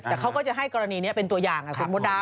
แต่เขาก็จะให้กรณีนี้เป็นตัวอย่างคุณมดดำ